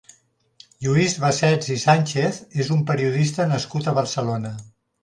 Lluís Bassets i Sánchez és un periodista nascut a Barcelona.